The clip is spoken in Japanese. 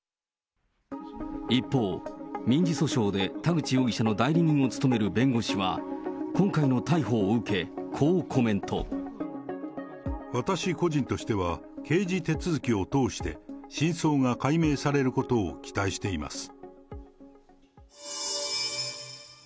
一方、民事訴訟で田口容疑者の代理人を務める弁護士は、今回の逮捕を受け、私個人としては、刑事手続きを通して、真相が解明されることを期待しています。